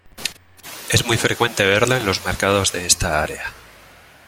Es muy frecuente verlo en los mercados de esta área.